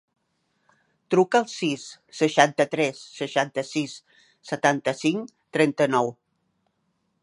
Truca al sis, seixanta-tres, seixanta-sis, setanta-cinc, trenta-nou.